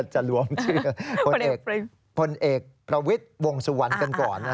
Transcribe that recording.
จะรวมชื่อพลเอกประวิทย์วงสุวรรณกันก่อน